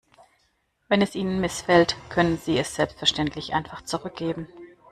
Wenn es Ihnen missfällt, können Sie es selbstverständlich einfach zurückgeben.